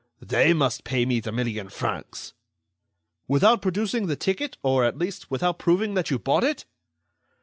They must pay me the million francs." "Without producing the ticket, or, at least, without proving that you bought it?"